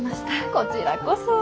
こちらこそ。